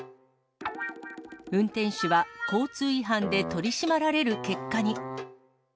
運転手は交通違反で取り締まられる結果に。